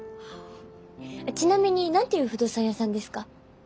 ちなみに何ていう不動産屋さんですか？